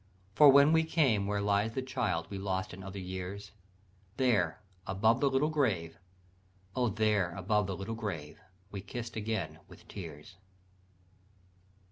For when we came where lies the child We lost in other years, There above the little grave, O there above the little grave, We kissed again with tears."